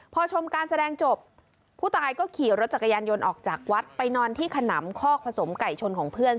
พอชมการแสดงจบผู้ตายก็ขี่รถจักรยานยนต์ออกจากวัดไปนอนที่ขนำคอกผสมไก่ชนของเพื่อน